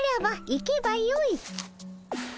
行けばよい？